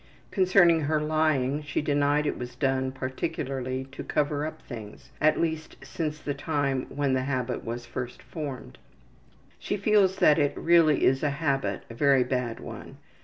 Concerning her lying she denied it was done particularly to cover up things, at least since the time when the habit was first formed. She feels that it really is a habit, a very bad one.